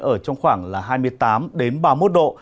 ở trong khoảng hai mươi tám đến ba mươi một độ